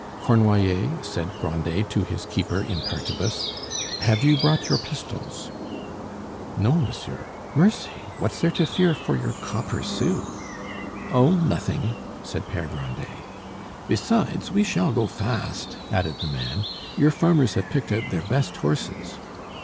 "Cornoiller," said Grandet to his keeper in partibus, "have you brought your pistols?" "No, monsieur. Mercy! what's there to fear for your copper sous?" "Oh! nothing," said Pere Grandet. "Besides, we shall go fast," added the man; "your farmers have picked out their best horses."